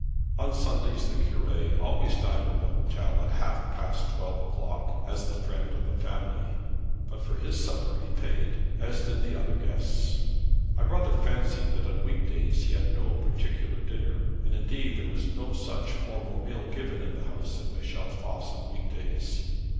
On Sundays the Cure always dined at the hotel at half past twelve o'clock, as the friend of the family; but for his supper he paid, as did the other guests. I rather fancy that on week days he had no particular dinner; and indeed there was no such formal meal given in the house of Michel Voss on week days.